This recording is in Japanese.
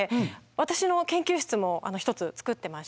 私の研究室も１つ作ってまして。